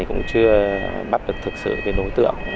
cũng chưa bắt được thực sự đối tượng